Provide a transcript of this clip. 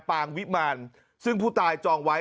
ปางวิมารซึ่งผู้ตายจองไว้